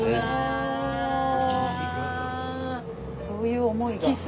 そういう思いが。